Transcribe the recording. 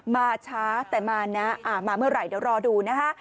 มาช้าแต่มานะมาเมื่อไหร่เดี๋ยวรอดูนะคะ